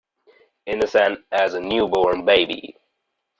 Innocent as a new born babe.